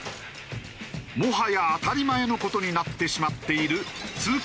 もはや当たり前の事になってしまっている通勤